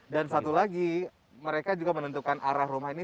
dan satu lagi mereka juga menentukan arah rumah ini